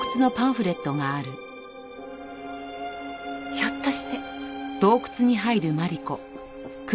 ひょっとして。